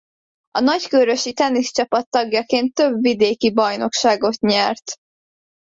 A nagykőrösi tenisz csapat tagjaként több vidéki bajnokságot nyert.